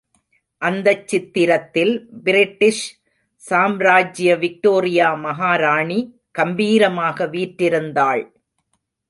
அந்தத் சித்திரத்தில் பிரிட்டிஷ் சாம்ராஜ்ய விக்டோரியா மகாராணி கம்பீரமாக வீற்றிருந்தாள்.